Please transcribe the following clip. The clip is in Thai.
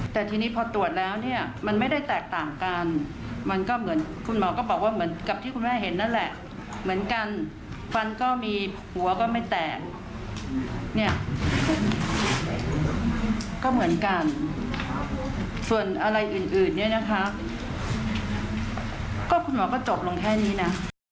แต่ทีนี้พอตรวจแล้วเนี่ยมันไม่ได้แตกต่างกันมันก็เหมือนคุณหมอก็บอกว่าเหมือนกับที่คุณแม่เห็นนั่นแหละเหมือนกันฟันก็มีหัวก็ไม่แตกเนี่ยก็เหมือนกันส่วนอะไรอื่นเนี่ยนะคะก็คุณหมอก็จบลงแค่นี้นะ